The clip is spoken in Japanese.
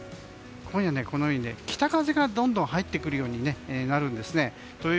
今夜は北風がどんどん入ってくるようになるんです。